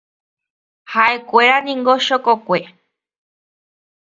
Ha'ekuéraniko chokokue.